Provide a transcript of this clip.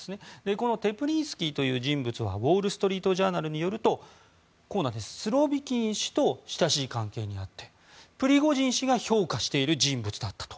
このテプリンスキーという人物はウォール・ストリート・ジャーナルによるとスロビキン氏と親しい関係にあってプリゴジン氏が評価している人物だったと。